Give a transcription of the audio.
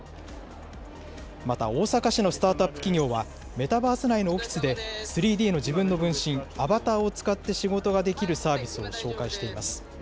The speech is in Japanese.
また、大阪市のスタートアップ企業は、メタバース内のオフィスで３Ｄの自分の分身、アバターを使って仕事ができるサービスを紹介しています。